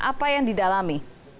apa yang didalami